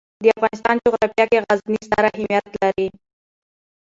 د افغانستان جغرافیه کې غزني ستر اهمیت لري.